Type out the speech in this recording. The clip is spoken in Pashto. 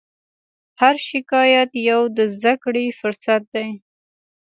هر شکایت یو د زدهکړې فرصت دی.